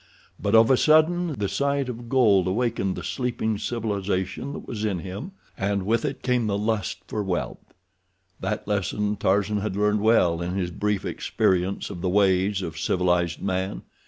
But of a sudden the sight of gold awakened the sleeping civilization that was in him, and with it came the lust for wealth. That lesson Tarzan had learned well in his brief experience of the ways of civilized man.